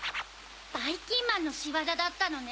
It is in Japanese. ばいきんまんのしわざだったのね！